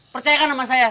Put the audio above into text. percayakan sama saya